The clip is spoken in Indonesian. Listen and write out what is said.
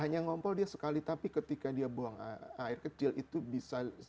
hanya ngompol dia sekali tapi ketika dia buang air kecil itu bisa